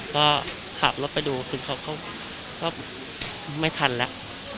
ก็ขับรถไปดูคือเขาก็ไม่ทันแล้ว